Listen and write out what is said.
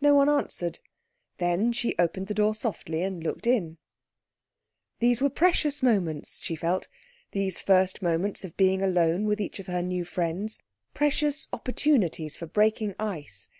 No one answered. Then she opened the door softly and looked in. These were precious moments, she felt, these first moments of being alone with each of her new friends, precious opportunities for breaking ice.